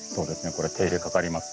これ手入れかかります。